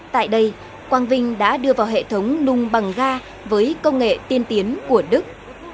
tại đây quang vinh đã đưa vào hệ thống nung bằng ga với công nghệ tiên tiến của đức